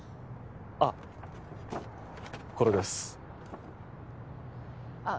あっこれですあっ